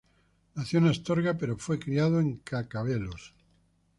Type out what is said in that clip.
Nació en Astorga, pero fue criado en Cacabelos.